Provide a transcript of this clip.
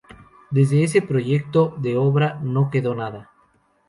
De ese proyecto de obra no quedó nada.